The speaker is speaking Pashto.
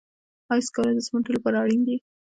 آیا سکاره د سمنټو لپاره اړین دي؟